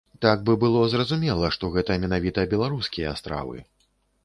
Так бы было зразумела, што гэта менавіта беларускія стравы.